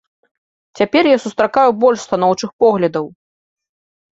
Цяпер я сустракаю больш станоўчых поглядаў.